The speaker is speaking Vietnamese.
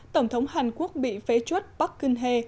tổng thống hàn quốc bị phế chuất park geun hye